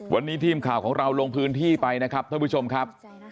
วันนี้ทีมข่าวของเราลงพื้นที่ไปนะครับท่านผู้ชมครับ